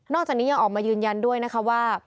จากนี้ยังออกมายืนยันด้วยนะคะว่า